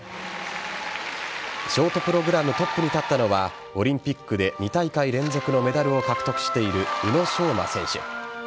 ショートプログラムトップに立ったのはオリンピックで２大会連続のメダルを獲得している宇野昌磨選手。